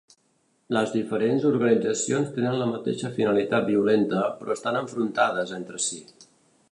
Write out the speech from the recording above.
Les diferents organitzacions tenen la mateixa finalitat violenta, però estan enfrontades entre si.